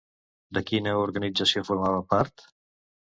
De quina organització formava part?